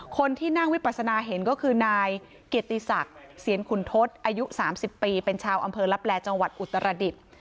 คนที่นั่งวิปัสนาเห็นก็คือนายเกียรติศักดิ์เสียนขุนทศอายุ๓๐ปีเป็นชาวอำเภอลับแลจังหวัดอุตรดิษฐ์